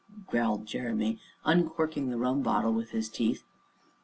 growled Jeremy, uncorking the rum bottle with his teeth.